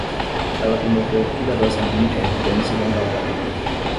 Ela removeu cuidadosamente a evidência da embalagem.